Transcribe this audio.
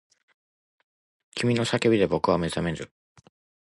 君の叫びで僕は目覚める